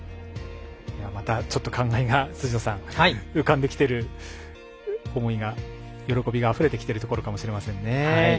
また、ちょっと感慨が浮かんできてる、喜びがあふれてきているところかもしれませんね。